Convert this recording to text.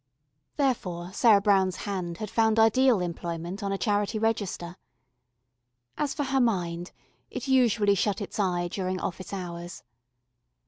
Therefore Sarah Brown's hand had found ideal employment on a charity register. As for her mind, it usually shut its eye during office hours.